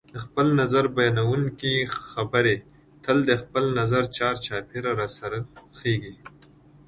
د خپل نظر بیانونکي خبرې تل د خپل نظر چار چاپېره راڅرخیږي